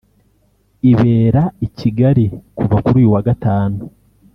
ibera i Kigali kuva kuri uyu wa Gatanu